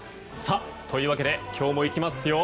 というわけで今日もいきますよ。